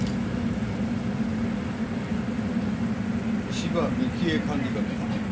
芝美紀江管理官だ。